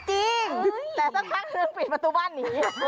แต่สักครั้งเรื่องปิดประตูบ้านหนี